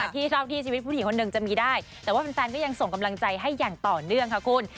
ที่เท่าที่ชีวิตผู้หญิงคนหนึ่งจะมีได้แต่ว่าแฟนก็ยังส่งกำลังใจให้อย่างต่อเนื่องค่ะคุณ